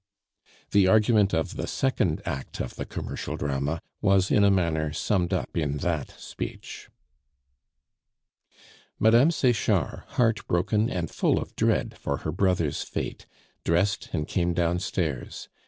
The argument of the second act of the commercial drama was in a manner summed up in that speech. Mme. Sechard, heartbroken and full of dread for her brother's fate, dressed and came downstairs.